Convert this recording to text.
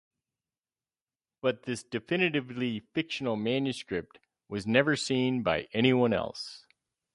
But this definitely fictional manuscript was never seen by anyone else.